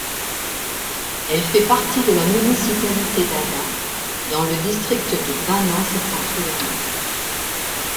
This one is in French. Elle fait partie de la municipalité d'Ada dans le district du Banat septentrional.